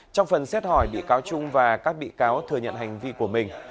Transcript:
trong phần xét hỏi bị cáo trung và các bị cáo thừa nhận hành vi của mình